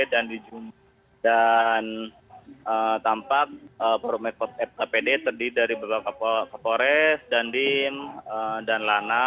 dan tampak perumahan kpd terdiri dari beberapa kapolres dandim dan lana